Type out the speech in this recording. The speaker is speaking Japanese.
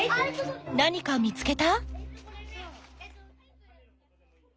何か見つけた？